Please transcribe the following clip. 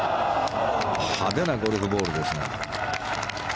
派手なゴルフボールですが。